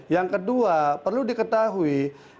yang kedua perlu diketahui